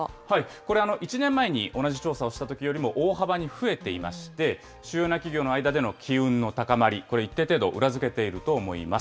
これ、１年前に同じ調査をしたときよりも大幅に増えていまして、主要な企業の間での機運の高まり、これ一定程度、裏付けていると思います。